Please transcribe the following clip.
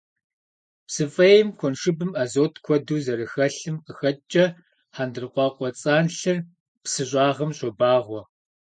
Псы фӀейм, куэншыбым азот куэду зэрыхэлъым къыхэкӀкӀэ, хьэндыркъуакъуэцӀэнлъыр псы щӀагъым щобагъуэ.